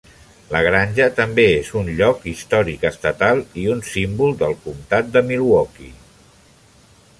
La granja també és un lloc històric estatal i un símbol del comtat de Milwaukee.